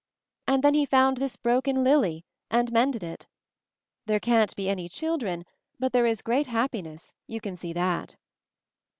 And then he found this broken lily — and mended it. There can't be any chil dren, but there is great happiness, you can see that."